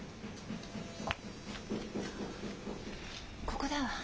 ここだわ。